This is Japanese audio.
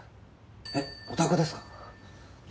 えお宅ですか？